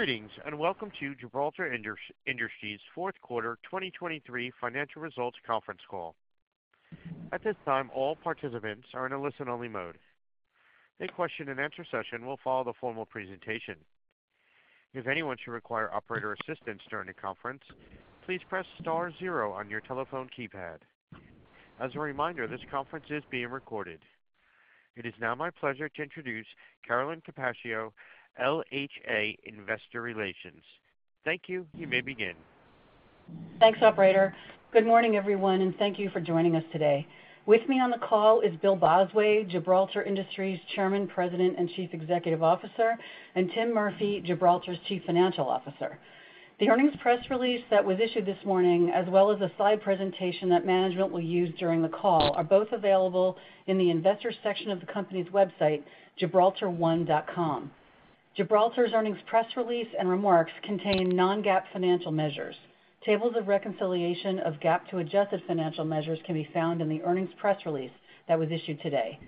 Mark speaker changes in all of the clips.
Speaker 1: Greetings and welcome to Gibraltar Industries' fourth quarter 2023 financial results conference call. At this time, all participants are in a listen-only mode. A question-and-answer session will follow the formal presentation. If anyone should require operator assistance during the conference, please press star zero on your telephone keypad. As a reminder, this conference is being recorded. It is now my pleasure to introduce Carolyn Capaccio, LHA Investor Relations. Thank you. You may begin.
Speaker 2: Thanks, operator. Good morning, everyone, and thank you for joining us today. With me on the call is Bill Bosway, Gibraltar Industries Chairman, President, and Chief Executive Officer, and Tim Murphy, Gibraltar's Chief Financial Officer. The earnings press release that was issued this morning, as well as a slide presentation that management will use during the call, are both available in the investor section of the company's website, gibraltar1.com. Gibraltar's earnings press release and remarks contain non-GAAP financial measures. Tables of reconciliation of GAAP to adjusted financial measures can be found in the earnings press release that was issued today.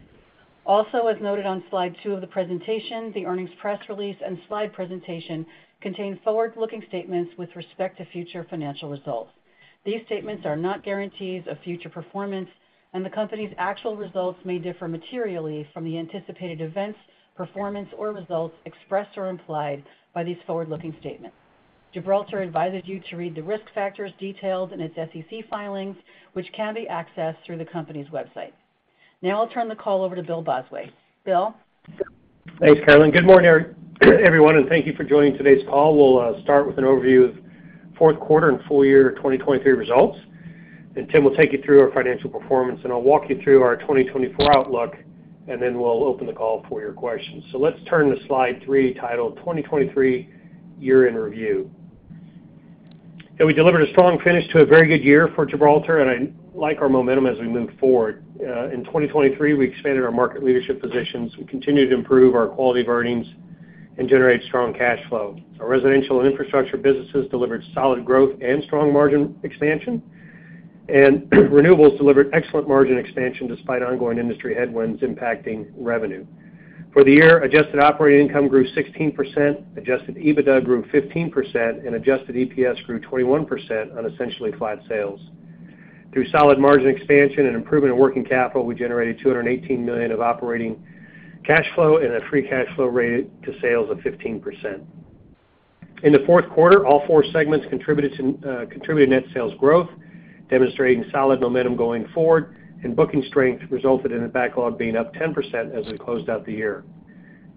Speaker 2: Also, as noted on slide two of the presentation, the earnings press release and slide presentation contain forward-looking statements with respect to future financial results. These statements are not guarantees of future performance, and the company's actual results may differ materially from the anticipated events, performance, or results expressed or implied by these forward-looking statements. Gibraltar advises you to read the risk factors detailed in its SEC filings, which can be accessed through the company's website. Now I'll turn the call over to Bill Bosway. Bill?
Speaker 3: Thanks, Carolyn. Good morning, everyone, and thank you for joining today's call. We'll start with an overview of fourth quarter and full year 2023 results, and Tim will take you through our financial performance. I'll walk you through our 2024 outlook, and then we'll open the call for your questions. Let's turn to Slide 3 titled 2023 Year in Review. We delivered a strong finish to a very good year for Gibraltar, and I like our momentum as we move forward. In 2023, we expanded our market leadership positions. We continued to improve our quality of earnings and generate strong cash flow. Our Residential and Infrastructure businesses delivered solid growth and strong margin expansion, and renewables delivered excellent margin expansion despite ongoing industry headwinds impacting revenue. For the year, Adjusted Operating Income grew 16%, Adjusted EBITDA grew 15%, and Adjusted EPS grew 21% on essentially flat sales. Through solid margin expansion and improvement of working capital, we generated $218 million of operating cash flow and a free cash flow rate to sales of 15%. In the fourth quarter, all four segments contributed net sales growth, demonstrating solid momentum going forward, and booking strength resulted in the backlog being up 10% as we closed out the year.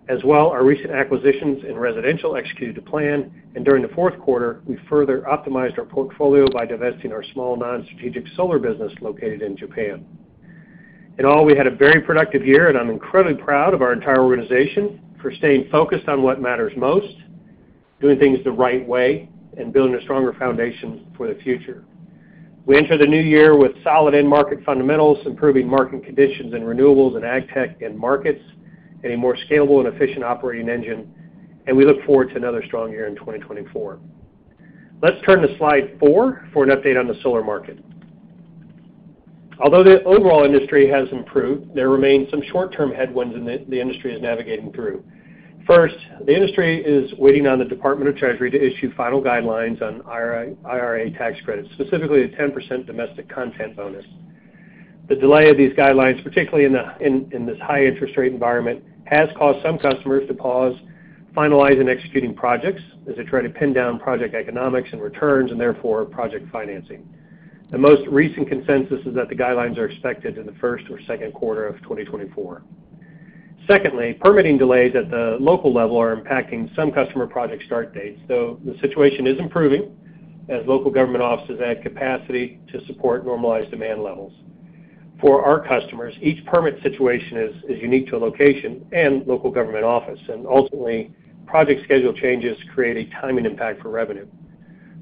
Speaker 3: As well, our recent acquisitions in residential executed to plan, and during the fourth quarter, we further optimized our portfolio by divesting our small non-strategic solar business located in Japan. In all, we had a very productive year, and I'm incredibly proud of our entire organization for staying focused on what matters most, doing things the right way, and building a stronger foundation for the future. We enter the new year with solid end-market fundamentals, improving market conditions in renewables and agtech and markets, and a more scalable and efficient operating engine. We look forward to another strong year in 2024. Let's turn to Slide 4 for an update on the solar market. Although the overall industry has improved, there remain some short-term headwinds in the industry is navigating through. First, the industry is waiting on the Department of Treasury to issue final guidelines on IRA tax credits, specifically a 10% domestic content bonus. The delay of these guidelines, particularly in this high-interest rate environment, has caused some customers to pause finalizing and executing projects as they try to pin down project economics and returns, and therefore project financing. The most recent consensus is that the guidelines are expected in the first or second quarter of 2024. Secondly, permitting delays at the local level are impacting some customer project start dates, though the situation is improving as local government offices add capacity to support normalized demand levels. For our customers, each permit situation is unique to a location and local government office, and ultimately, project schedule changes create a timing impact for revenue.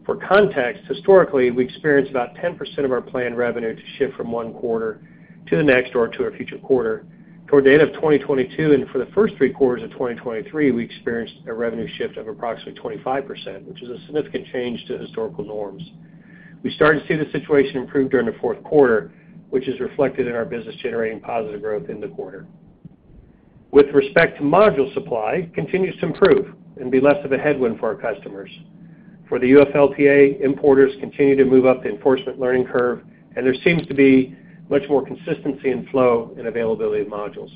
Speaker 3: For context, historically, we experienced about 10% of our planned revenue to shift from one quarter to the next or to a future quarter. Toward the end of 2022 and for the first three quarters of 2023, we experienced a revenue shift of approximately 25%, which is a significant change to historical norms. We started to see the situation improve during the fourth quarter, which is reflected in our business generating positive growth in the quarter. With respect to module supply, it continues to improve and be less of a headwind for our customers. For the UFLPA, importers continue to move up the enforcement learning curve, and there seems to be much more consistency in flow and availability of modules.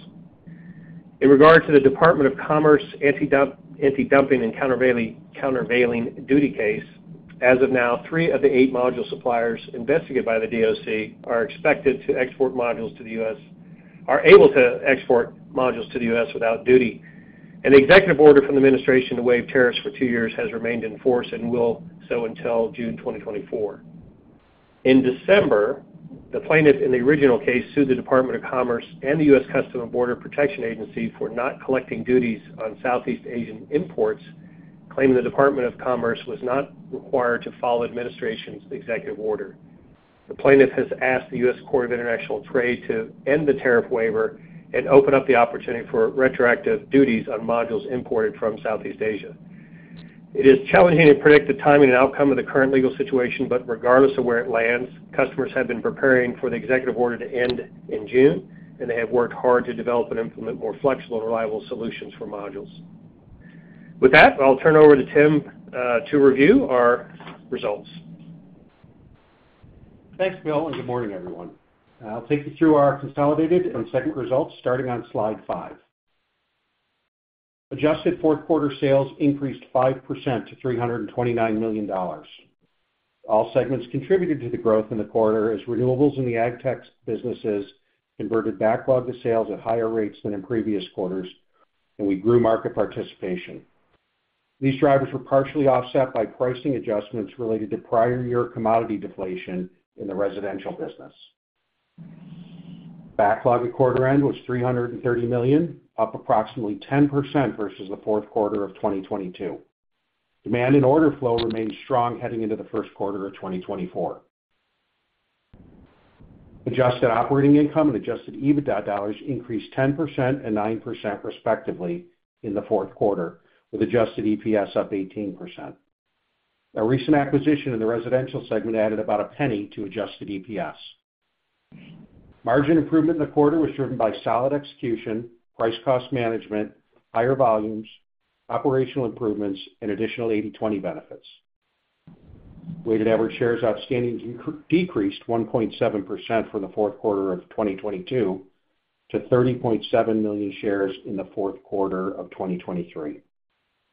Speaker 3: In regard to the Department of Commerce anti-dumping and countervailing duty case, as of now, three of the eight module suppliers investigated by the DOC are expected to export modules to the U.S. are able to export modules to the U.S. without duty. The executive order from the administration to waive tariffs for two years has remained in force and will so until June 2024. In December, the plaintiff in the original case sued the Department of Commerce and the U.S. Customs and Border Protection Agency for not collecting duties on Southeast Asian imports, claiming the Department of Commerce was not required to follow administration's executive order. The plaintiff has asked the U.S. Court of International Trade to end the tariff waiver and open up the opportunity for retroactive duties on modules imported from Southeast Asia. It is challenging to predict the timing and outcome of the current legal situation, but regardless of where it lands, customers have been preparing for the executive order to end in June, and they have worked hard to develop and implement more flexible and reliable solutions for modules. With that, I'll turn over to Tim to review our results.
Speaker 4: Thanks, Bill, and good morning, everyone. I'll take you through our consolidated and second results starting on Slide 5. Adjusted fourth quarter sales increased 5% to $329 million. All segments contributed to the growth in the quarter as renewables and the Agtech businesses converted backlog to sales at higher rates than in previous quarters, and we grew market participation. These drivers were partially offset by pricing adjustments related to prior year commodity deflation in the residential business. Backlog at quarter end was $330 million, up approximately 10% versus the fourth quarter of 2022. Demand and order flow remained strong heading into the first quarter of 2024. Adjusted operating income and Adjusted EBITDA dollars increased 10% and 9% respectively in the fourth quarter, with Adjusted EPS up 18%. A recent acquisition in the residential segment added about $0.01 to Adjusted EPS. Margin improvement in the quarter was driven by solid execution, price cost management, higher volumes, operational improvements, and additional 80/20 benefits. Weighted average shares outstanding decreased 1.7% from the fourth quarter of 2022 to 30.7 million shares in the fourth quarter of 2023.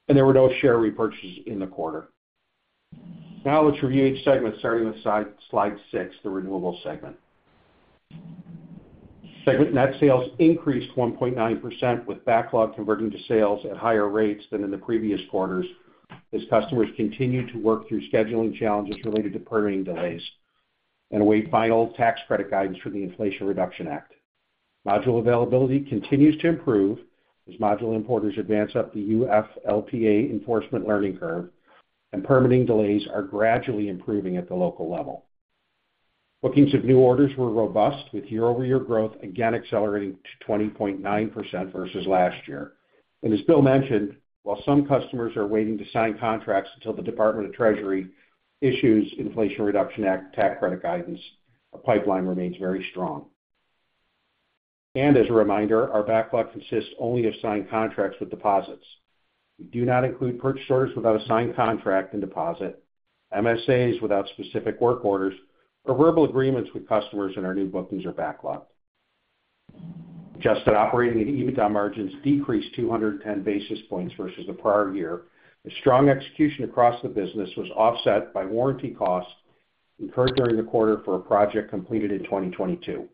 Speaker 4: There were no share repurchases in the quarter. Now let's review each segment starting with Slide 6, the renewable segment. Segment net sales increased 1.9% with backlog converting to sales at higher rates than in the previous quarters as customers continue to work through scheduling challenges related to permitting delays and await final tax credit guidance for the Inflation Reduction Act. Module availability continues to improve as module importers advance up the UFLPA enforcement learning curve, and permitting delays are gradually improving at the local level. Bookings of new orders were robust, with year-over-year growth again accelerating to 20.9% versus last year. As Bill mentioned, while some customers are waiting to sign contracts until the Department of Treasury issues Inflation Reduction Act tax credit guidance, a pipeline remains very strong. As a reminder, our backlog consists only of signed contracts with deposits. We do not include purchase orders without a signed contract and deposit, MSAs without specific work orders, or verbal agreements with customers in our new bookings or backlog. Adjusted operating and EBITDA margins decreased 210 basis points versus the prior year. A strong execution across the business was offset by warranty costs incurred during the quarter for a project completed in 2022.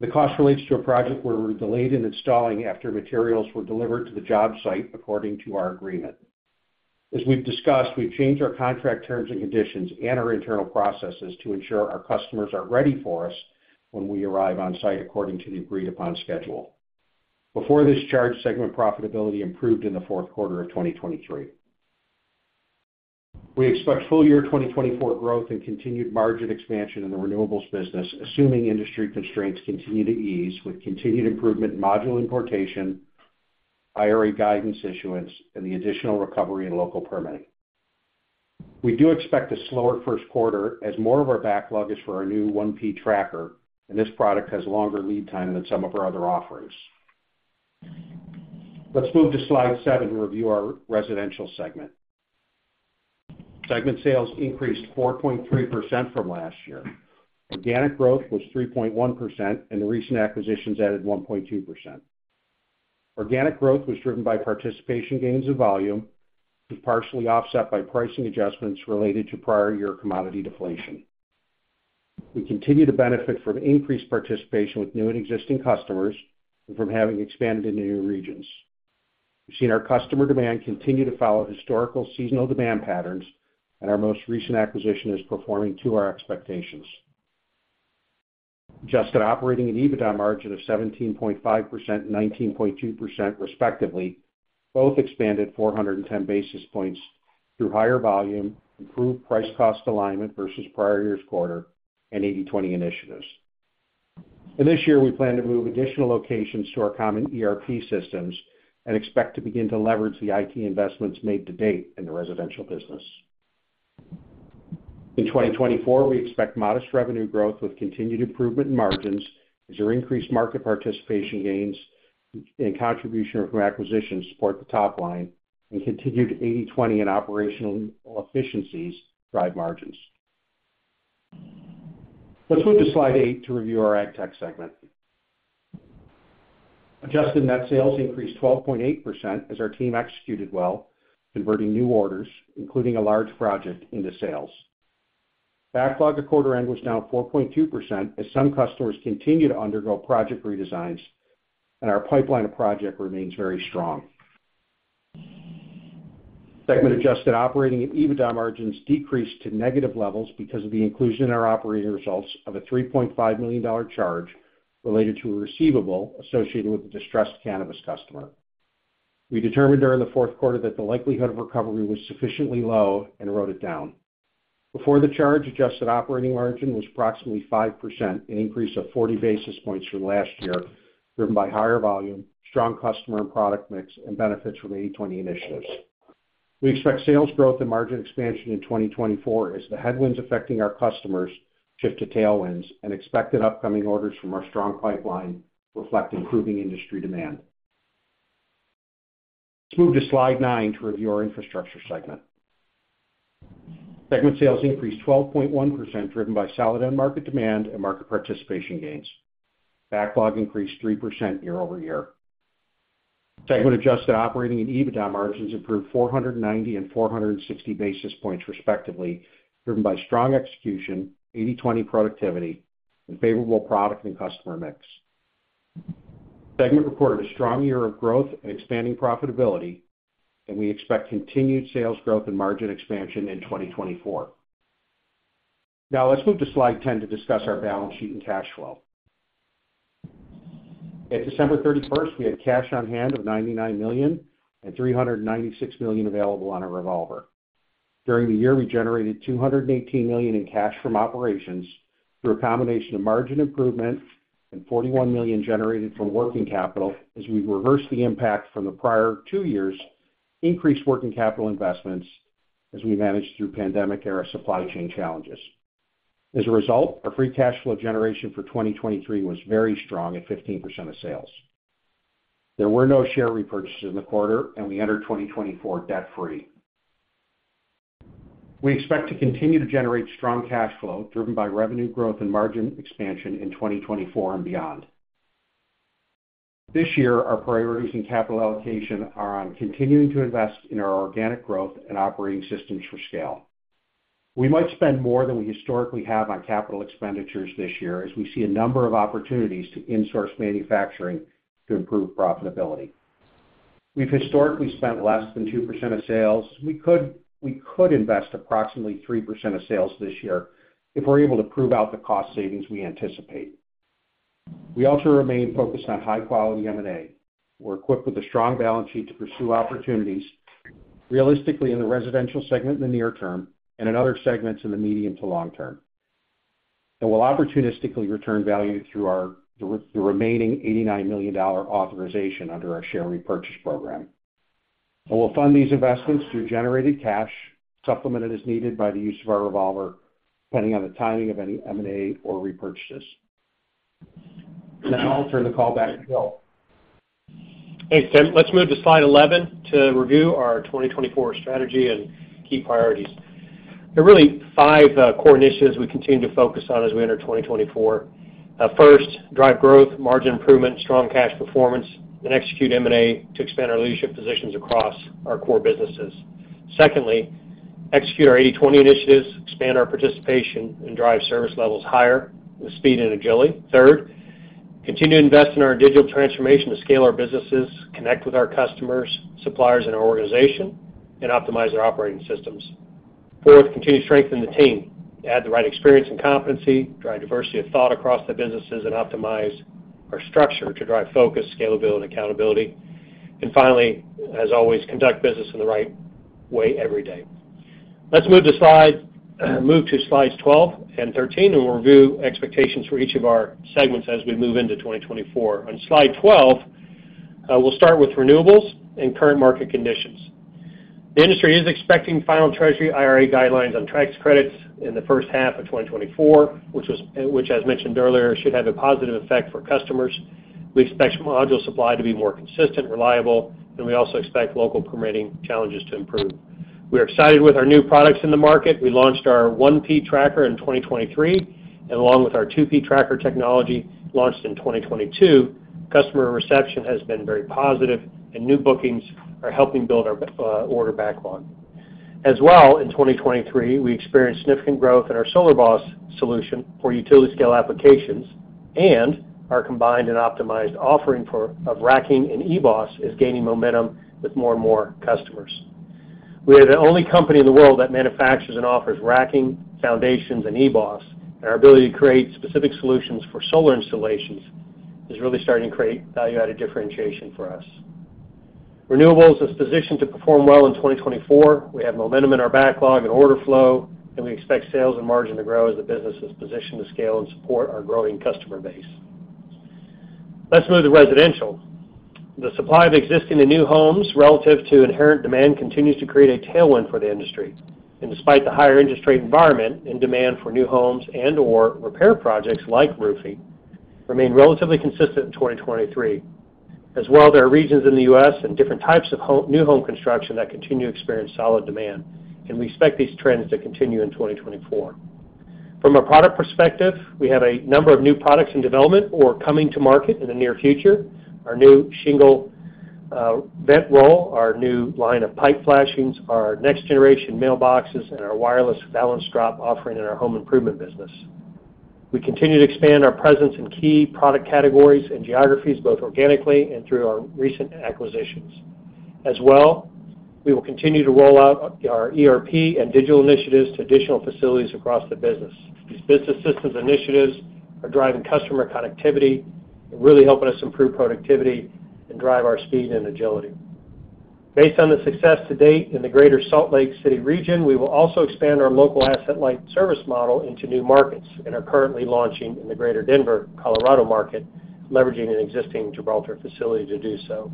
Speaker 4: The cost relates to a project where we were delayed in installing after materials were delivered to the job site according to our agreement. As we've discussed, we've changed our contract terms and conditions and our internal processes to ensure our customers are ready for us when we arrive on site according to the agreed-upon schedule. Before this, charged segment profitability improved in the fourth quarter of 2023. We expect full year 2024 growth and continued margin expansion in the renewables business, assuming industry constraints continue to ease with continued improvement in module importation, IRA guidance issuance, and the additional recovery in local permitting. We do expect a slower first quarter as more of our backlog is for our new 1P tracker, and this product has longer lead time than some of our other offerings. Let's move to Slide 7 to review our residential segment. Segment sales increased 4.3% from last year. Organic growth was 3.1%, and the recent acquisitions added 1.2%. Organic growth was driven by participation gains in volume, which was partially offset by pricing adjustments related to prior year commodity deflation. We continue to benefit from increased participation with new and existing customers and from having expanded into new regions. We've seen our customer demand continue to follow historical seasonal demand patterns, and our most recent acquisition is performing to our expectations. Adjusted operating and EBITDA margin of 17.5% and 19.2% respectively both expanded 410 basis points through higher volume, improved price cost alignment versus prior year's quarter, and 80/20 initiatives. In this year, we plan to move additional locations to our common ERP systems and expect to begin to leverage the IT investments made to date in the residential business. In 2024, we expect modest revenue growth with continued improvement in margins as our increased market participation gains and contribution from acquisitions support the top line, and continued 80/20 and operational efficiencies drive margins. Let's move to Slide 8 to review our Agtech segment. Adjusted net sales increased 12.8% as our team executed well, converting new orders, including a large project, into sales. Backlog at quarter end was now 4.2% as some customers continue to undergo project redesigns, and our pipeline of project remains very strong. Segment adjusted operating and EBITDA margins decreased to negative levels because of the inclusion in our operating results of a $3.5 million charge related to a receivable associated with a distressed cannabis customer. We determined during the fourth quarter that the likelihood of recovery was sufficiently low and wrote it down. Before the charge, adjusted operating margin was approximately 5%, an increase of 40 basis points from last year driven by higher volume, strong customer and product mix, and benefits from 80/20 initiatives. We expect sales growth and margin expansion in 2024 as the headwinds affecting our customers shift to tailwinds and expected upcoming orders from our strong pipeline reflect improving industry demand. Let's move to Slide 9 to review our Infrastructure segment. Segment sales increased 12.1% driven by solid end-market demand and market participation gains. Backlog increased 3% year-over-year. Segment adjusted operating and EBITDA margins improved 490 and 460 basis points respectively driven by strong execution, 80/20 productivity, and favorable product and customer mix. Segment reported a strong year of growth and expanding profitability, and we expect continued sales growth and margin expansion in 2024. Now let's move to Slide 10 to discuss our balance sheet and cash flow. At December 31st, we had cash on hand of $99 million and $396 million available on a revolver. During the year, we generated $218 million in cash from operations through a combination of margin improvement and $41 million generated from working capital as we reversed the impact from the prior two years, increased working capital investments as we managed through pandemic-era supply chain challenges. As a result, our free cash flow generation for 2023 was very strong at 15% of sales. There were no share repurchases in the quarter, and we entered 2024 debt-free. We expect to continue to generate strong cash flow driven by revenue growth and margin expansion in 2024 and beyond. This year, our priorities in capital allocation are on continuing to invest in our organic growth and operating systems for scale. We might spend more than we historically have on capital expenditures this year as we see a number of opportunities to insource manufacturing to improve profitability. We've historically spent less than 2% of sales. We could invest approximately 3% of sales this year if we're able to prove out the cost savings we anticipate. We also remain focused on high-quality M&A. We're equipped with a strong balance sheet to pursue opportunities realistically in the residential segment in the near term and in other segments in the medium to long term. We'll opportunistically return value through the remaining $89 million authorization under our share repurchase program. We'll fund these investments through generated cash, supplemented as needed by the use of our revolver depending on the timing of any M&A or repurchases. Now I'll turn the call back to Bill.
Speaker 3: Hey, Tim. Let's move to Slide 11 to review our 2024 strategy and key priorities. There are really five core initiatives we continue to focus on as we enter 2024. First, drive growth, margin improvement, strong cash performance, and execute M&A to expand our leadership positions across our core businesses. Secondly, execute our 80/20 initiatives, expand our participation, and drive service levels higher with speed and agility. Third, continue to invest in our digital transformation to scale our businesses, connect with our customers, suppliers, and our organization, and optimize our operating systems. Fourth, continue to strengthen the team, add the right experience and competency, drive diversity of thought across the businesses, and optimize our structure to drive focus, scalability, and accountability. And finally, as always, conduct business in the right way every day. Let's move to Slides 12 and 13, and we'll review expectations for each of our segments as we move into 2024. On Slide 12, we'll start with renewables and current market conditions. The industry is expecting final Treasury IRA guidelines on tax credits in the first half of 2024, which, as mentioned earlier, should have a positive effect for customers. We expect module supply to be more consistent, reliable, and we also expect local permitting challenges to improve. We are excited with our new products in the market. We launched our 1P tracker in 2023, and along with our 2P tracker technology launched in 2022, customer reception has been very positive, and new bookings are helping build our order backlog. As well, in 2023, we experienced significant growth in our SolarBOS solution for utility-scale applications, and our combined and optimized offering of racking and eBOS is gaining momentum with more and more customers. We are the only company in the world that manufactures and offers racking, foundations, and eBOS, and our ability to create specific solutions for solar installations is really starting to create value-added differentiation for us. Renewables is positioned to perform well in 2024. We have momentum in our backlog and order flow, and we expect sales and margin to grow as the business is positioned to scale and support our growing customer base. Let's move to residential. The supply of existing and new homes relative to inherent demand continues to create a tailwind for the industry. Despite the higher interest rate environment and demand for new homes and/or repair projects like roofing remain relatively consistent in 2023. As well, there are regions in the U.S. and different types of new home construction that continue to experience solid demand, and we expect these trends to continue in 2024. From a product perspective, we have a number of new products in development or coming to market in the near future: our new ShingleVent Roll, our new line of Pipe Flashings, our Next-Generation Mailboxes, and our Wireless Package Drop offering in our home improvement business. We continue to expand our presence in key product categories and geographies both organically and through our recent acquisitions. As well, we will continue to roll out our ERP and digital initiatives to additional facilities across the business. These business systems initiatives are driving customer connectivity and really helping us improve productivity and drive our speed and agility. Based on the success to date in the greater Salt Lake City region, we will also expand our local asset-light service model into new markets and are currently launching in the greater Denver, Colorado market, leveraging an existing Gibraltar facility to do so.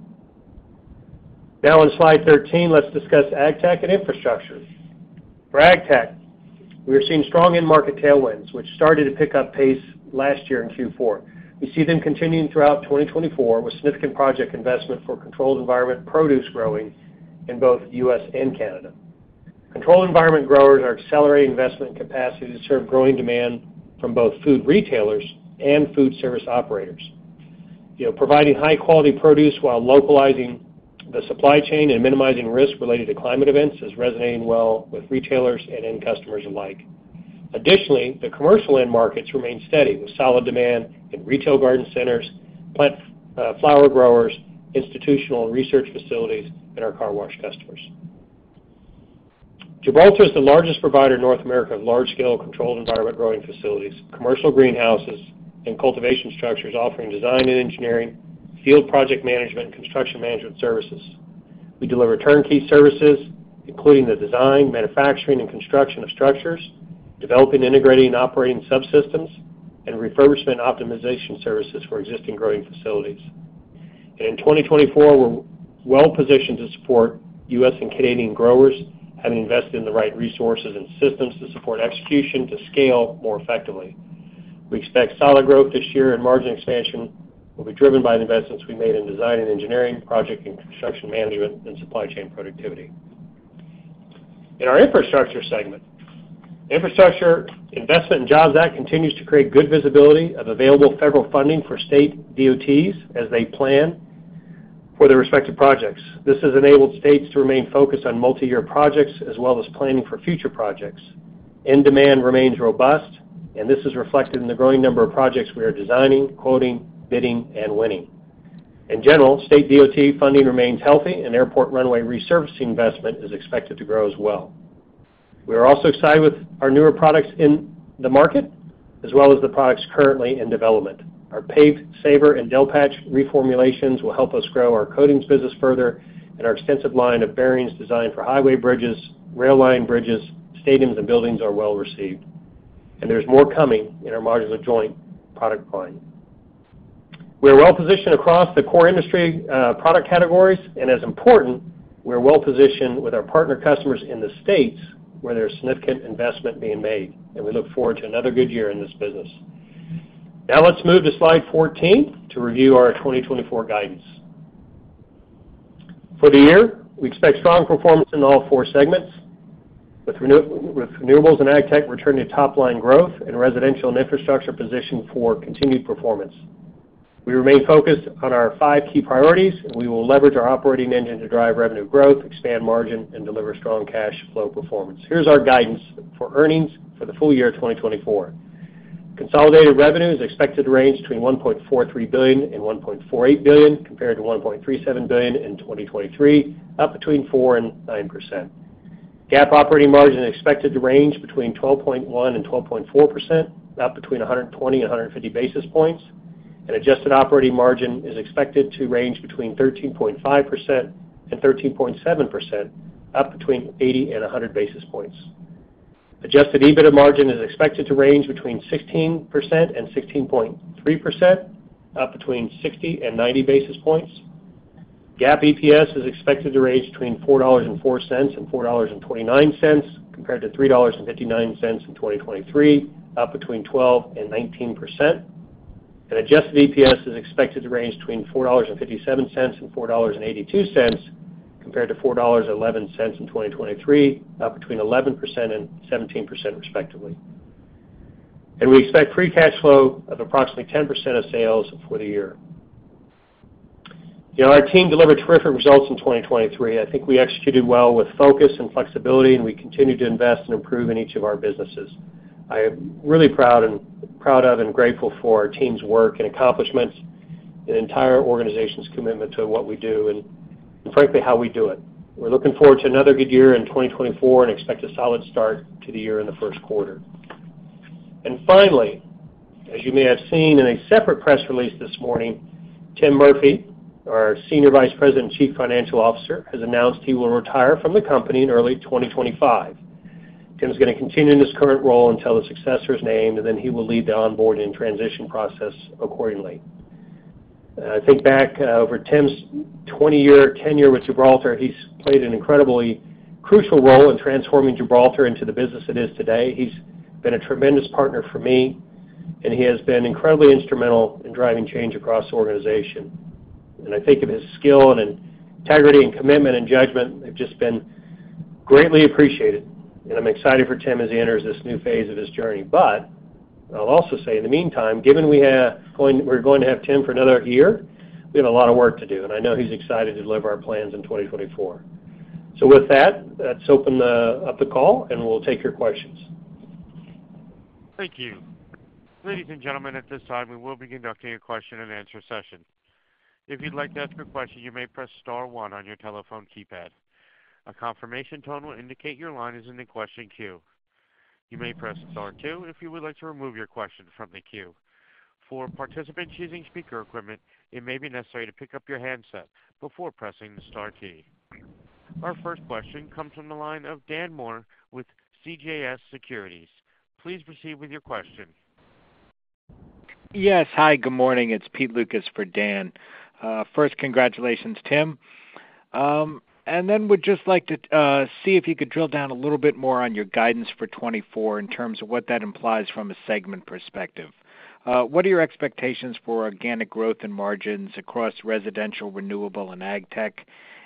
Speaker 3: Now on Slide 13, let's discuss Agtech and Infrastructure. For Agtech, we are seeing strong in-market tailwinds, which started to pick up pace last year in Q4. We see them continuing throughout 2024 with significant project investment for controlled environment produce growing in both U.S. and Canada. Controlled environment growers are accelerating investment capacity to serve growing demand from both food retailers and food service operators. Providing high-quality produce while localizing the supply chain and minimizing risk related to climate events is resonating well with retailers and end customers alike. Additionally, the commercial end markets remain steady with solid demand in retail garden centers, plant flower growers, institutional and research facilities, and our car wash customers. Gibraltar is the largest provider in North America of large-scale controlled environment growing facilities, commercial greenhouses, and cultivation structures offering design and engineering, field project management, and construction management services. We deliver turnkey services, including the design, manufacturing, and construction of structures, developing, integrating, and operating subsystems, and refurbishment optimization services for existing growing facilities. In 2024, we're well positioned to support U.S. and Canadian growers having invested in the right resources and systems to support execution to scale more effectively. We expect solid growth this year, and margin expansion will be driven by the investments we made in design and engineering, project and construction management, and supply chain productivity. In our Infrastructure Segment, Infrastructure Investment and Jobs Act continues to create good visibility of available federal funding for state DOTs as they plan for their respective projects. This has enabled states to remain focused on multi-year projects as well as planning for future projects. End demand remains robust, and this is reflected in the growing number of projects we are designing, quoting, bidding, and winning. In general, state DOT funding remains healthy, and airport runway resurfacing investment is expected to grow as well. We are also excited with our newer products in the market as well as the products currently in development. Our PaveSaver and DelPatch reformulations will help us grow our coatings business further, and our extensive line of bearings designed for highway bridges, rail line bridges, stadiums, and buildings are well received. There's more coming in our modular joint product line. We are well positioned across the core industry product categories, and as important, we are well positioned with our partner customers in the states where there is significant investment being made, and we look forward to another good year in this business. Now let's move to Slide 14 to review our 2024 guidance. For the year, we expect strong performance in all four segments with Renewables and Agtech returning to top-line growth and Residential and Infrastructure positioned for continued performance. We remain focused on our five key priorities, and we will leverage our operating engine to drive revenue growth, expand margin, and deliver strong cash flow performance. Here's our guidance for earnings for the full year of 2024. Consolidated revenue is expected to range between $1.43 billion-$1.48 billion compared to $1.37 billion in 2023, up between 4%-9%. GAAP operating margin is expected to range between 12.1%-12.4%, up between 120 and 150 basis points. An adjusted operating margin is expected to range between 13.5%-13.7%, up between 80 and 100 basis points. Adjusted EBITDA margin is expected to range between 16%-16.3%, up between 60 and 90 basis points. GAAP EPS is expected to range between $4.04-$4.29 compared to $3.59 in 2023, up between 12%-19%. An adjusted EPS is expected to range between $4.57-$4.82 compared to $4.11 in 2023, up 11%-17% respectively. We expect free cash flow of approximately 10% of sales for the year. Our team delivered terrific results in 2023. I think we executed well with focus and flexibility, and we continue to invest and improve in each of our businesses. I am really proud of and grateful for our team's work and accomplishments and entire organization's commitment to what we do and frankly how we do it. We're looking forward to another good year in 2024 and expect a solid start to the year in the first quarter. Finally, as you may have seen in a separate press release this morning, Tim Murphy, our Senior Vice President and Chief Financial Officer, has announced he will retire from the company in early 2025. Tim's going to continue in his current role until the successor is named, and then he will lead the onboarding and transition process accordingly. I think back over Tim's 20-year tenure with Gibraltar, he's played an incredibly crucial role in transforming Gibraltar into the business it is today. He's been a tremendous partner for me, and he has been incredibly instrumental in driving change across the organization. And I think of his skill and integrity and commitment and judgment have just been greatly appreciated. And I'm excited for Tim as he enters this new phase of his journey. But I'll also say, in the meantime, given we're going to have Tim for another year, we have a lot of work to do, and I know he's excited to deliver our plans in 2024. So with that, let's open up the call, and we'll take your questions. Thank you.
Speaker 1: Ladies and gentlemen, at this time, we will begin the question and answer session. If you'd like to ask a question, you may press star one on your telephone keypad. A confirmation tone will indicate your line is in the question queue. You may press star two if you would like to remove your question from the queue. For participants using speaker equipment, it may be necessary to pick up your handset before pressing the star key. Our first question comes from the line of Dan Moore with CJS Securities. Please proceed with your question.
Speaker 5: Yes. Hi. Good morning. It's Pete Lucas for Dan. First, congratulations, Tim. And then would just like to see if you could drill down a little bit more on your guidance for 2024 in terms of what that implies from a segment perspective. What are your expectations for organic growth and margins across Residential, Renewable, and Agtech?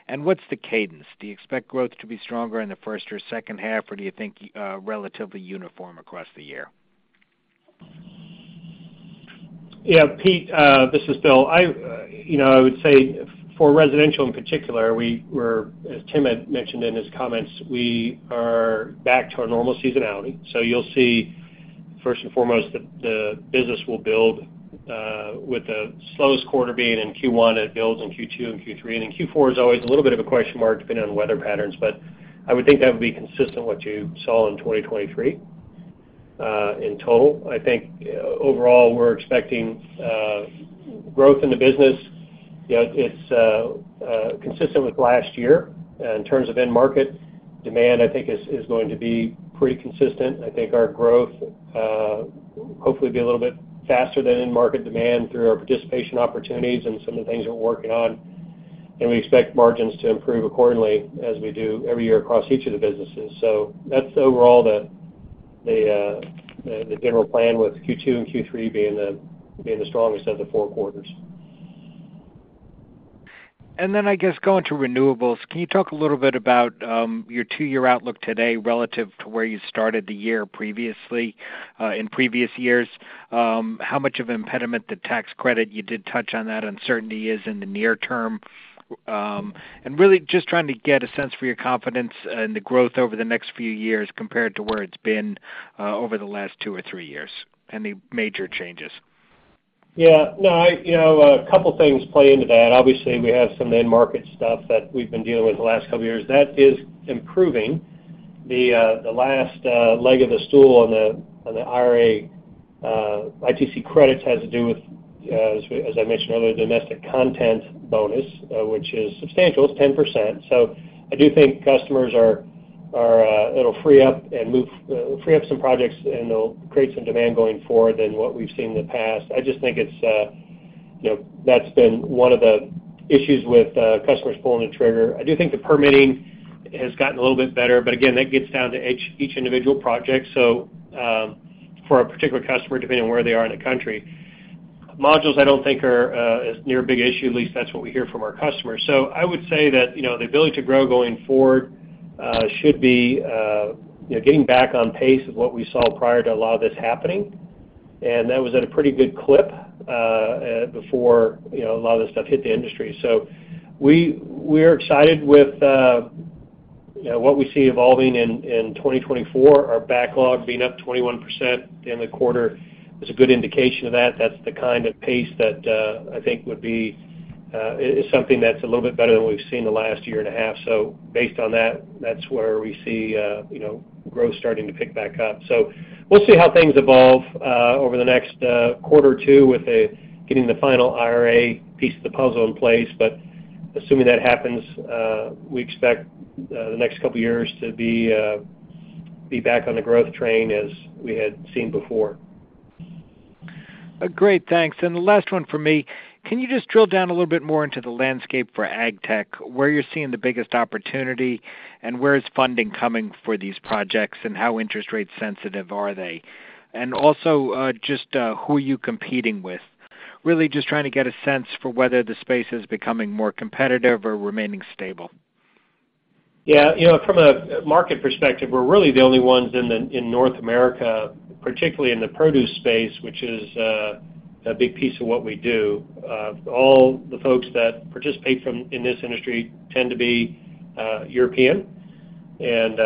Speaker 5: And what's the cadence? Do you expect growth to be stronger in the first or second half, or do you think relatively uniform across the year?
Speaker 3: Yeah, Pete, this is Bill. I would say for residential in particular, as Tim had mentioned in his comments, we are back to our normal seasonality. So you'll see, first and foremost, that the business will build with the slowest quarter being in Q1, it builds in Q2 and Q3. And then Q4 is always a little bit of a question mark depending on weather patterns, but I would think that would be consistent with what you saw in 2023 in total. I think overall, we're expecting growth in the business. It's consistent with last year. In terms of end market demand, I think is going to be pretty consistent. I think our growth hopefully will be a little bit faster than end market demand through our participation opportunities and some of the things we're working on. We expect margins to improve accordingly as we do every year across each of the businesses. That's overall the general plan with Q2 and Q3 being the strongest of the four quarters.
Speaker 5: And then, I guess, going to renewables, can you talk a little bit about your two-year outlook today relative to where you started the year in previous years? How much of impediment to tax credit you did touch on that uncertainty is in the near term? And really just trying to get a sense for your confidence in the growth over the next few years compared to where it's been over the last two or three years and the major changes.
Speaker 3: Yeah. No, a couple of things play into that. Obviously, we have some end market stuff that we've been dealing with the last couple of years. That is improving. The last leg of the stool on the IRA ITC credits has to do with, as I mentioned earlier, the domestic content bonus, which is substantial. It's 10%. So I do think customers are it'll free up and move free up some projects, and it'll create some demand going forward than what we've seen in the past. I just think that's been one of the issues with customers pulling the trigger. I do think the permitting has gotten a little bit better, but again, that gets down to each individual project. So for a particular customer, depending on where they are in the country, modules I don't think are as near a big issue, at least that's what we hear from our customers. So I would say that the ability to grow going forward should be getting back on pace with what we saw prior to a lot of this happening. And that was at a pretty good clip before a lot of this stuff hit the industry. So we are excited with what we see evolving in 2024, our backlog being up 21% in the quarter is a good indication of that. That's the kind of pace that I think would be is something that's a little bit better than what we've seen the last year and a half. So based on that, that's where we see growth starting to pick back up. We'll see how things evolve over the next quarter or 2 with getting the final IRA piece of the puzzle in place. Assuming that happens, we expect the next couple of years to be back on the growth train as we had seen before.
Speaker 5: Great. Thanks. And the last one for me, can you just drill down a little bit more into the landscape for Agtech, where you're seeing the biggest opportunity, and where is funding coming for these projects, and how interest rate-sensitive are they? And also just who are you competing with, really just trying to get a sense for whether the space is becoming more competitive or remaining stable?
Speaker 3: Yeah. From a market perspective, we're really the only ones in North America, particularly in the produce space, which is a big piece of what we do. All the folks that participate in this industry tend to be European. And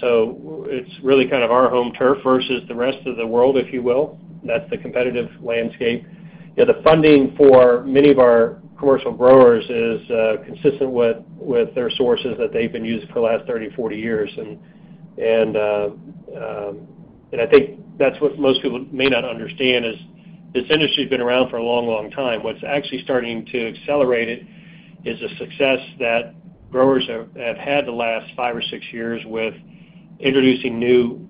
Speaker 3: so it's really kind of our home turf versus the rest of the world, if you will. That's the competitive landscape. The funding for many of our commercial growers is consistent with their sources that they've been using for the last 30, 40 years. And I think that's what most people may not understand is this industry has been around for a long, long time. What's actually starting to accelerate it is a success that growers have had the last five or six years with introducing new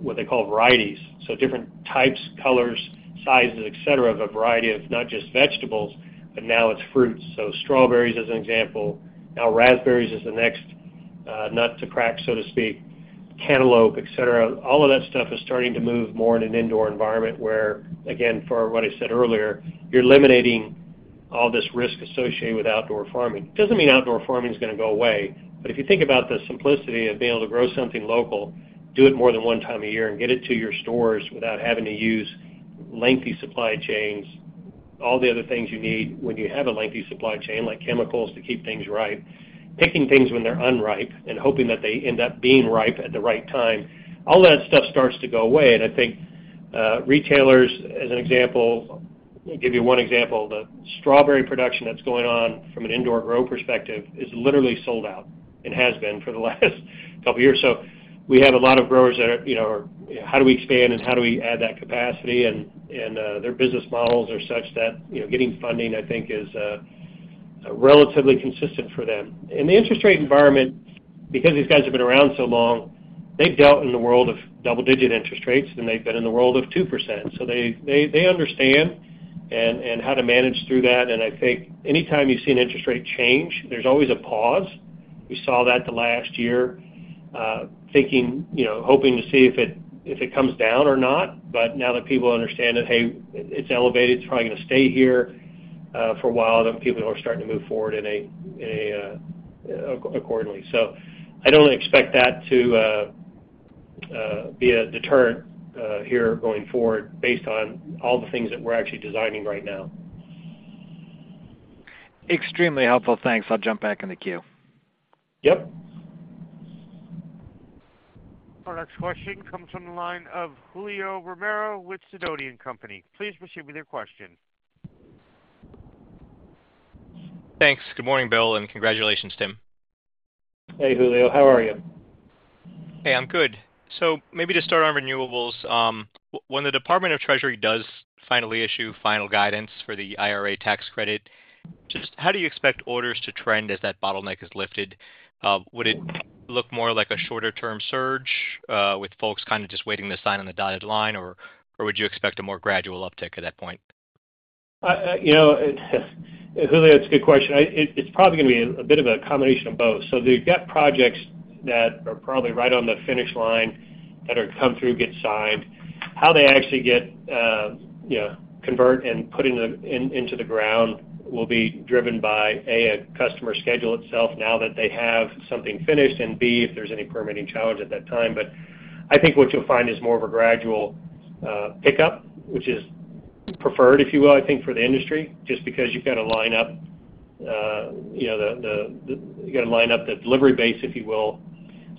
Speaker 3: what they call varieties, so different types, colors, sizes, etc., of a variety of not just vegetables, but now it's fruits. So strawberries, as an example. Now raspberries is the next nut to crack, so to speak. Cantaloupe, etc. All of that stuff is starting to move more in an indoor environment where, again, for what I said earlier, you're eliminating all this risk associated with outdoor farming. It doesn't mean outdoor farming is going to go away, but if you think about the simplicity of being able to grow something local, do it more than one time a year, and get it to your stores without having to use lengthy supply chains, all the other things you need when you have a lengthy supply chain like chemicals to keep things ripe, picking things when they're unripe, and hoping that they end up being ripe at the right time, all that stuff starts to go away. And I think retailers, as an example, I'll give you one example. The strawberry production that's going on from an indoor grow perspective is literally sold out and has been for the last couple of years. So we have a lot of growers that are how do we expand, and how do we add that capacity? And their business models are such that getting funding, I think, is relatively consistent for them. In the interest rate environment, because these guys have been around so long, they've dealt in the world of double-digit interest rates, and they've been in the world of 2%. So they understand how to manage through that. And I think anytime you see an interest rate change, there's always a pause. We saw that the last year hoping to see if it comes down or not. But now that people understand that, "Hey, it's elevated. It's probably going to stay here for a while," then people are starting to move forward accordingly. I don't expect that to be a deterrent here going forward based on all the things that we're actually designing right now.
Speaker 5: Extremely helpful. Thanks. I'll jump back in the queue.
Speaker 3: Yep.
Speaker 1: Our next question comes from the line of Julio Romero with Sidoti & Company. Please proceed with your question.
Speaker 6: Thanks. Good morning, Bill, and congratulations, Tim.
Speaker 3: Hey, Julio. How are you?
Speaker 6: Hey, I'm good. So maybe to start on renewables, when the Department of Treasury does finally issue final guidance for the IRA tax credit, just how do you expect orders to trend as that bottleneck is lifted? Would it look more like a shorter-term surge with folks kind of just waiting to sign on the dotted line, or would you expect a more gradual uptick at that point?
Speaker 3: Julio, it's a good question. It's probably going to be a bit of a combination of both. So you've got projects that are probably right on the finish line that are come through, get signed. How they actually get convert and put into the ground will be driven by, A, a customer schedule itself now that they have something finished, and B, if there's any permitting challenge at that time. But I think what you'll find is more of a gradual pickup, which is preferred, if you will, I think, for the industry just because you've got to line up the you've got to line up the delivery base, if you will.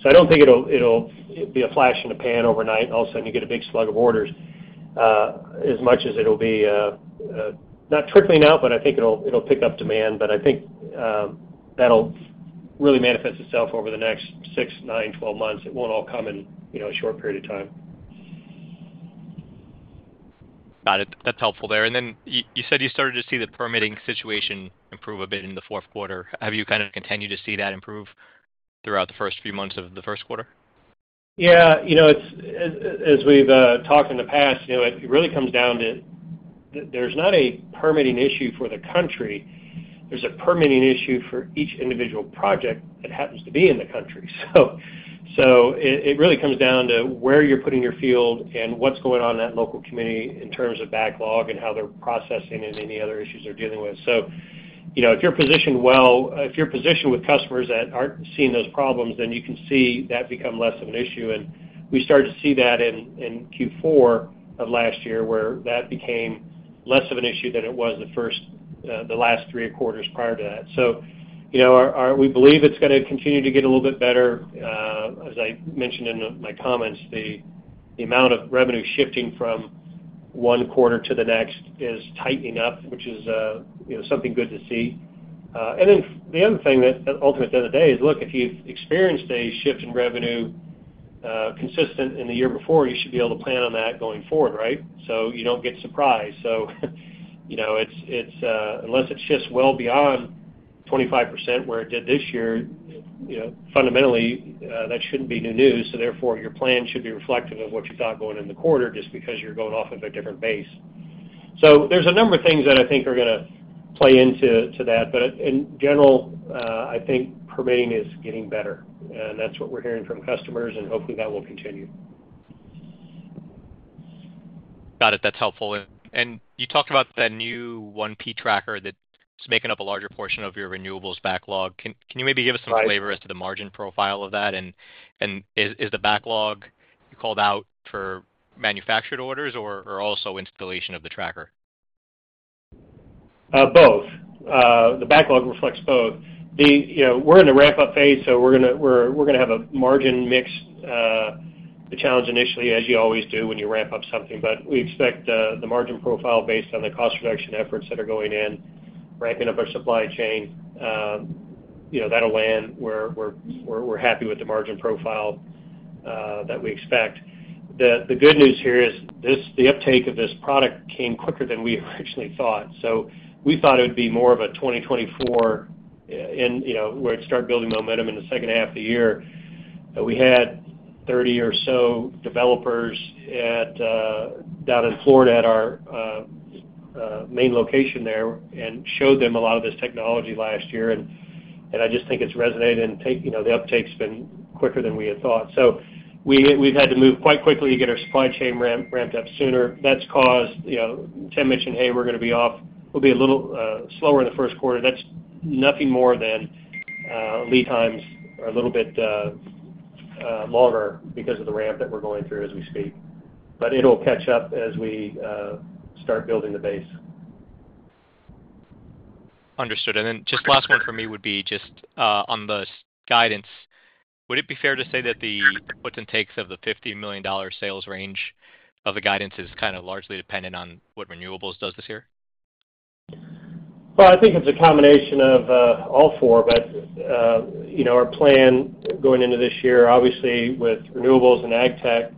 Speaker 3: So I don't think it'll be a flash in a pan overnight. All of a sudden, you get a big slug of orders as much as it'll be not trickling out, but I think it'll pick up demand. But I think that'll really manifest itself over the next 6, 9, 12 months. It won't all come in a short period of time.
Speaker 6: Got it. That's helpful there. Then you said you started to see the permitting situation improve a bit in the fourth quarter. Have you kind of continued to see that improve throughout the first few months of the first quarter?
Speaker 3: Yeah. As we've talked in the past, it really comes down to there's not a permitting issue for the country. There's a permitting issue for each individual project that happens to be in the country. So it really comes down to where you're putting your field and what's going on in that local community in terms of backlog and how they're processing and any other issues they're dealing with. So if you're positioned well with customers that aren't seeing those problems, then you can see that become less of an issue. And we started to see that in Q4 of last year where that became less of an issue than it was the last three quarters prior to that. So we believe it's going to continue to get a little bit better. As I mentioned in my comments, the amount of revenue shifting from one quarter to the next is tightening up, which is something good to see. Then the other thing that ultimately, at the end of the day, is, "Look, if you've experienced a shift in revenue consistent in the year before, you should be able to plan on that going forward, right? So you don't get surprised." So unless it shifts well beyond 25% where it did this year, fundamentally, that shouldn't be new news. So therefore, your plan should be reflective of what you thought going in the quarter just because you're going off of a different base. So there's a number of things that I think are going to play into that. But in general, I think permitting is getting better. And that's what we're hearing from customers, and hopefully, that will continue.
Speaker 6: Got it. That's helpful. And you talked about that new 1P tracker that's making up a larger portion of your renewables backlog. Can you maybe give us some flavor as to the margin profile of that? And is the backlog you called out for manufactured orders or also installation of the tracker?
Speaker 3: Both. The backlog reflects both. We're in the ramp-up phase, so we're going to have a margin mix, the challenge initially, as you always do when you ramp up something. But we expect the margin profile based on the cost reduction efforts that are going in, ramping up our supply chain, that'll land where we're happy with the margin profile that we expect. The good news here is the uptake of this product came quicker than we originally thought. So we thought it would be more of a 2024 where it'd start building momentum in the second half of the year. We had 30 or so developers down in Florida at our main location there and showed them a lot of this technology last year. And I just think it's resonated, and the uptake's been quicker than we had thought. So we've had to move quite quickly to get our supply chain ramped up sooner. That's what Tim mentioned, "Hey, we're going to be off, we'll be a little slower in the first quarter." That's nothing more than lead times are a little bit longer because of the ramp that we're going through as we speak. But it'll catch up as we start building the base.
Speaker 6: Understood. And then just last one for me would be just on the guidance. Would it be fair to say that the puts and takes of the $50 million sales range of the guidance is kind of largely dependent on what renewables does this year?
Speaker 3: Well, I think it's a combination of all four. But our plan going into this year, obviously, with Renewables and Agtech,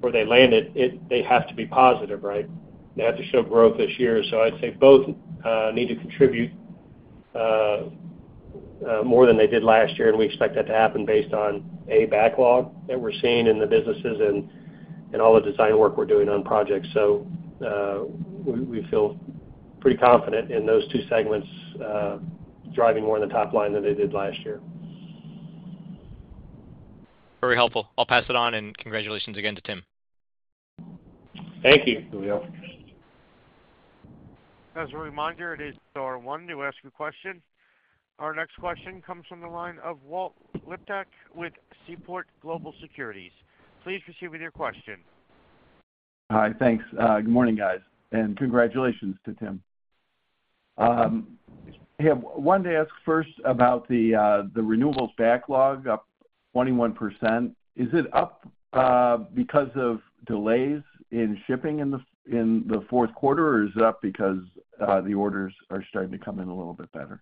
Speaker 3: where they landed, they have to be positive, right? They have to show growth this year. So I'd say both need to contribute more than they did last year. And we expect that to happen based on, A, backlog that we're seeing in the businesses and all the design work we're doing on projects. So we feel pretty confident in those two segments driving more in the top line than they did last year.
Speaker 6: Very helpful. I'll pass it on, and congratulations again to Tim.
Speaker 3: Thank you, Julio.
Speaker 1: As a reminder, to ask your question, press star one. Our next question comes from the line of Walt Liptak with Seaport Global Securities. Please proceed with your question.
Speaker 7: Hi. Thanks. Good morning, guys, and congratulations to Tim. Hey, I wanted to ask first about the renewables backlog up 21%. Is it up because of delays in shipping in the fourth quarter, or is it up because the orders are starting to come in a little bit better?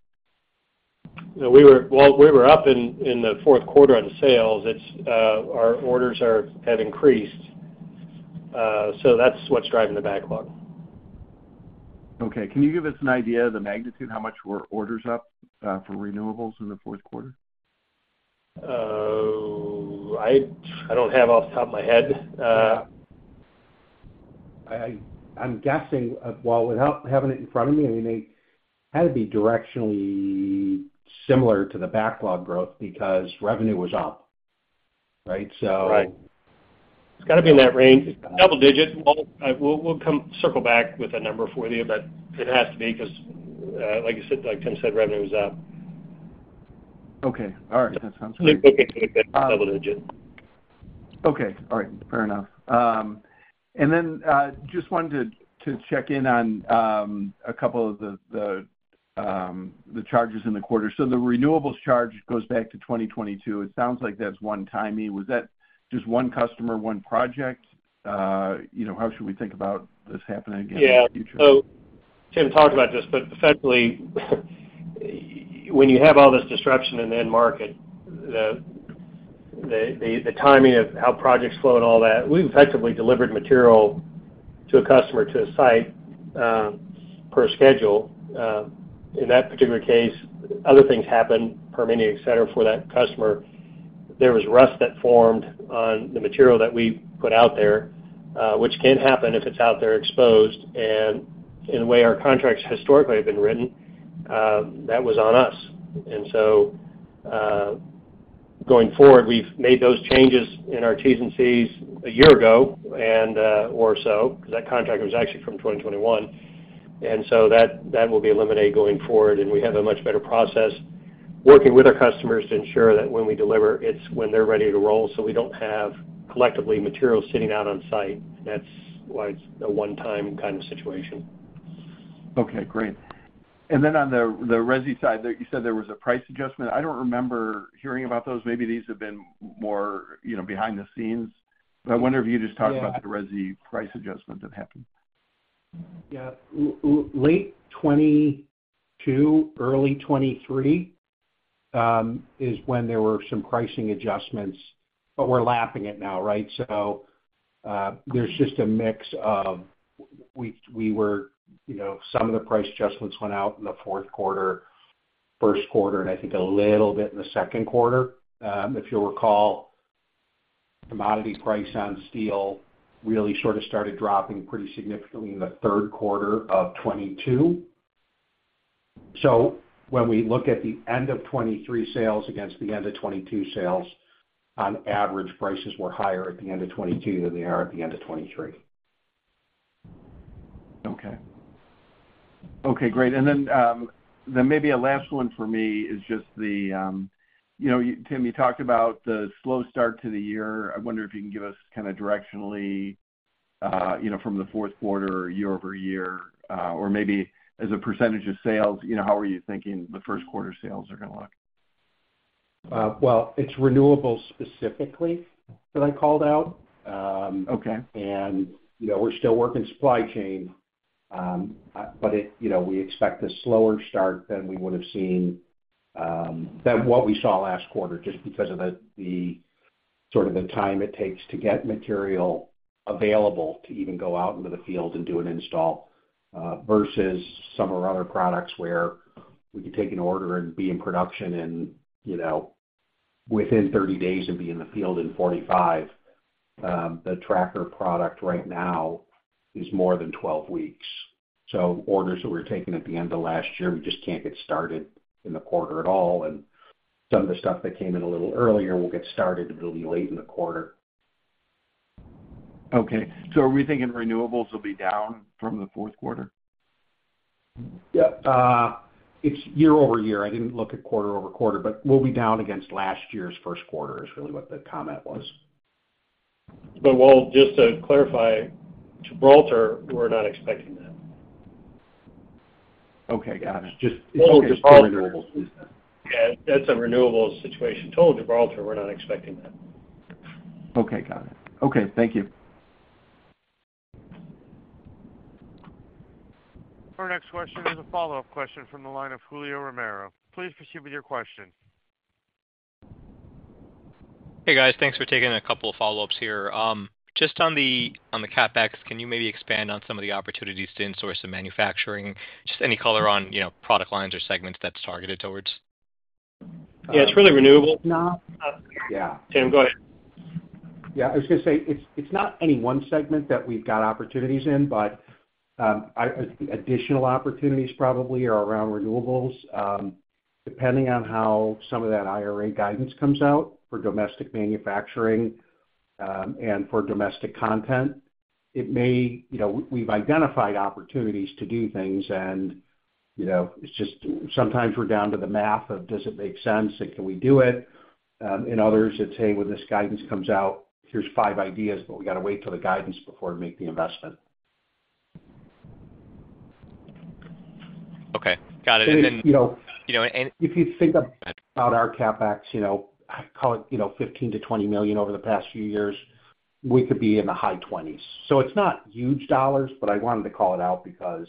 Speaker 3: Well, we were up in the fourth quarter on sales. Our orders have increased, so that's what's driving the backlog.
Speaker 7: Okay. Can you give us an idea of the magnitude, how much were orders up for renewables in the fourth quarter?
Speaker 3: I don't have off the top of my head.
Speaker 7: I'm guessing, Walt, without having it in front of me, I mean, they had to be directionally similar to the backlog growth because revenue was up, right? So.
Speaker 3: Right. It's got to be in that range. It's double-digit. Walt will circle back with a number for you, but it has to be because, like Tim said, revenue was up.
Speaker 7: Okay. All right. That sounds good.
Speaker 3: I think we'll get to it then double-digit.
Speaker 7: Okay. All right. Fair enough. And then just wanted to check in on a couple of the charges in the quarter. So the renewables charge goes back to 2022. It sounds like that's one-timer. Was that just one customer, one project? How should we think about this happening again in the future?
Speaker 3: Yeah. So Tim talked about this, but effectively, when you have all this disruption in the end market, the timing of how projects flow and all that, we've effectively delivered material to a customer, to a site per schedule. In that particular case, other things happened, permitting, etc., for that customer. There was rust that formed on the material that we put out there, which can't happen if it's out there exposed. And in the way our contracts historically have been written, that was on us. And so going forward, we've made those changes in our Ts and Cs a year ago or so because that contract was actually from 2021. And so that will be eliminated going forward. We have a much better process working with our customers to ensure that when we deliver, it's when they're ready to roll so we don't have collectively material sitting out on site. That's why it's a one-time kind of situation.
Speaker 7: Okay. Great. And then on the resi side, you said there was a price adjustment. I don't remember hearing about those. Maybe these have been more behind the scenes. But I wonder if you just talked about the resi price adjustment that happened.
Speaker 3: Yeah. Late 2022, early 2023 is when there were some pricing adjustments, but we're lapping it now, right? So there's just a mix of we were some of the price adjustments went out in the fourth quarter, first quarter, and I think a little bit in the second quarter. If you'll recall, commodity price on steel really sort of started dropping pretty significantly in the third quarter of 2022. So when we look at the end of 2023 sales against the end of 2022 sales, on average, prices were higher at the end of 2022 than they are at the end of 2023.
Speaker 7: Okay. Okay. Great. And then maybe a last one for me is just the Tim, you talked about the slow start to the year. I wonder if you can give us kind of directionally from the fourth quarter year-over-year or maybe as a percentage of sales, how are you thinking the first quarter sales are going to look?
Speaker 4: Well, it's renewables specifically that I called out. And we're still working supply chain, but we expect a slower start than we would have seen than what we saw last quarter just because of sort of the time it takes to get material available to even go out into the field and do an install versus some of our other products where we could take an order and be in production within 30 days and be in the field in 45. The tracker product right now is more than 12 weeks. So orders that we were taking at the end of last year, we just can't get started in the quarter at all. And some of the stuff that came in a little earlier will get started, but it'll be late in the quarter.
Speaker 7: Okay. So are we thinking renewables will be down from the fourth quarter?
Speaker 4: Yeah. It's year-over-year. I didn't look at quarter-over-quarter, but we'll be down against last year's first quarter is really what the comment was.
Speaker 3: But Walt, just to clarify, Gibraltar, we're not expecting that.
Speaker 7: Okay. Got it.
Speaker 3: It's only just the renewables business. Yeah. That's a renewables situation. Total Gibraltar, we're not expecting that.
Speaker 7: Okay. Got it. Okay. Thank you.
Speaker 1: Our next question is a follow-up question from the line of Julio Romero. Please proceed with your question.
Speaker 6: Hey, guys. Thanks for taking a couple of follow-ups here. Just on the CapEx, can you maybe expand on some of the opportunities to insource and manufacturing? Just any color on product lines or segments that's targeted towards.
Speaker 3: Yeah. It's really renewables. Tim, go ahead.
Speaker 4: Yeah. I was going to say it's not any one segment that we've got opportunities in, but additional opportunities probably are around renewables. Depending on how some of that IRA guidance comes out for domestic manufacturing and for domestic content, it may we've identified opportunities to do things. And it's just sometimes we're down to the math of, "Does it make sense? And can we do it?" In others, it's, "Hey, when this guidance comes out, here's five ideas, but we got to wait till the guidance before we make the investment.
Speaker 6: Okay. Got it. And then.
Speaker 4: If you think about our CapEx, call it $15 million-$20 million over the past few years, we could be in the high 20s. It's not huge dollars, but I wanted to call it out because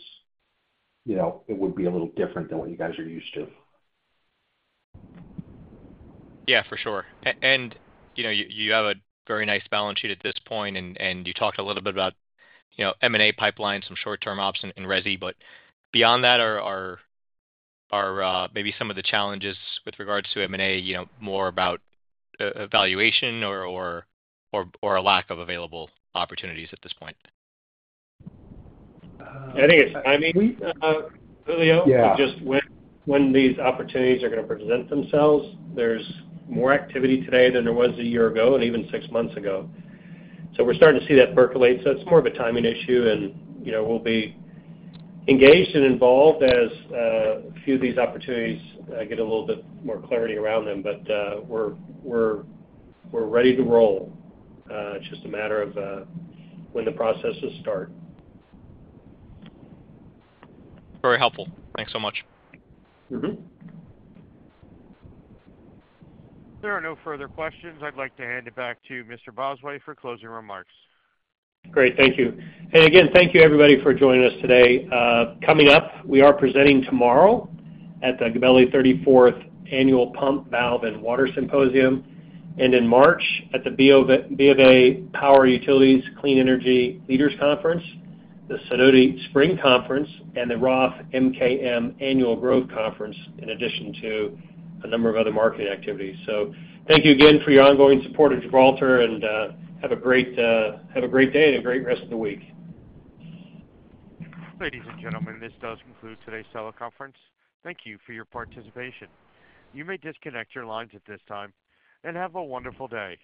Speaker 4: it would be a little different than what you guys are used to.
Speaker 6: Yeah, for sure. And you have a very nice balance sheet at this point, and you talked a little bit about M&A pipelines, some short-term ops, and resi. But beyond that, are maybe some of the challenges with regards to M&A more about valuation or a lack of available opportunities at this point?
Speaker 3: I mean, Julio, when these opportunities are going to present themselves, there's more activity today than there was a year ago and even six months ago. So we're starting to see that percolate. So it's more of a timing issue. And we'll be engaged and involved as a few of these opportunities get a little bit more clarity around them. But we're ready to roll. It's just a matter of when the processes start.
Speaker 6: Very helpful. Thanks so much.
Speaker 1: There are no further questions. I'd like to hand it back to Mr. Bosway for closing remarks.
Speaker 3: Great. Thank you. And again, thank you, everybody, for joining us today. Coming up, we are presenting tomorrow at the Gabelli 34th Annual Pump, Valve, and Water Symposium and in March at the BofA Power Utilities Clean Energy Leaders Conference, the Sidoti Spring Conference, and the Roth MKM Annual Growth Conference in addition to a number of other marketing activities. So thank you again for your ongoing support of Gibraltar, and have a great day and a great rest of the week.
Speaker 1: Ladies and gentlemen, this does conclude today's teleconference. Thank you for your participation. You may disconnect your lines at this time and have a wonderful day.